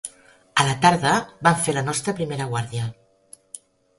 A la tarda vam fer la nostra primera guàrdia